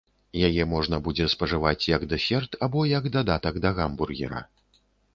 Яе можна будзе спажываць як дэсерт або як дадатак да гамбургера.